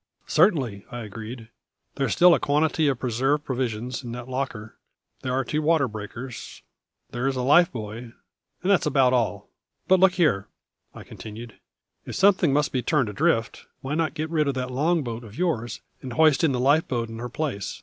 "Certainly," I agreed. "There is still a quantity of preserved provisions in that locker; there are the two water breakers; there is a life buoy and that is about all. But, look here!" I continued; "if something must be turned adrift, why not get rid of that long boat of yours, and hoist in the life boat in her place?